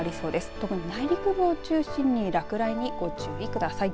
特に内陸部を中心に落雷にご注意ください。